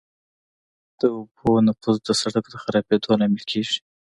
د اوبو نفوذ د سرک د خرابېدو لامل کیږي